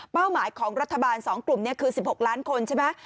เป้าหมายของรัฐบาลสองกลุ่มเนี่ยคือ๑๖ล้านคนใช่ไหม